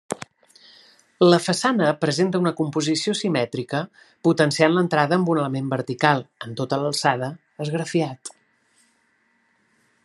La façana presenta composició simètrica potenciant l'entrada amb un element vertical, en tota l'alçada, esgrafiat.